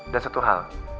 dan satu hal